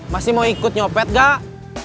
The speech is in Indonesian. masih mau ikut nyopet gak